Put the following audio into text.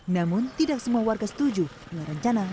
namun tidak semua warga setuju dengan rencana relokasi itu